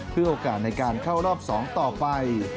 เพื่อโอกาสในการเข้ารอบ๒ต่อไป